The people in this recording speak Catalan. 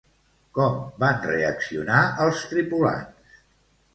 Com van reaccionar els tripulants?